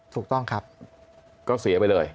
ถูกต้องครับก็เสียไปเลย